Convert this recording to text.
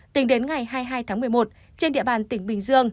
tính đến ngày hai mươi hai tháng một mươi một trên địa bàn tỉnh bình dương